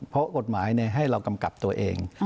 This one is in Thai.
เพราะกฎหมายให้เรากำกับตัวเอง